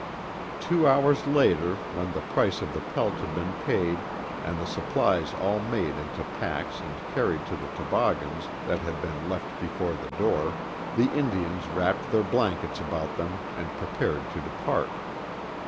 Two hours later, when the price of the pelt had been paid and the supplies all made into packs and carried to the toboggans that had been left before the door, the Indians wrapped their blankets about them and prepared to depart.